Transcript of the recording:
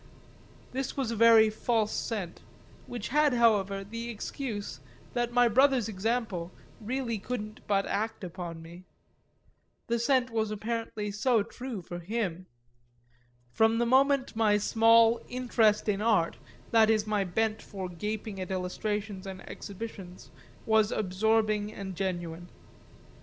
This was a very false scent, which had however the excuse that my brother's example really couldn't but act upon me the scent was apparently so true for him; from the moment my small "interest in art," that is my bent for gaping at illustrations and exhibitions, was absorbing and genuine.